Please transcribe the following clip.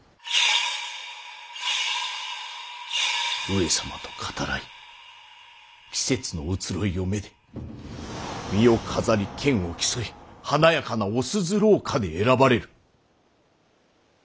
上様と語らい季節の移ろいをめで身を飾りけんを競い華やかなお鈴廊下で選ばれる。